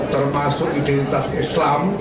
termasuk identitas islam